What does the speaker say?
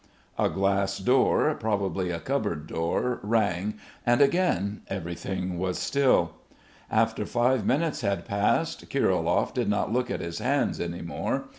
A glass door, probably a cupboard door, rang, and again everything was still. After five minutes had passed, Kirilov did not look at his hands any more.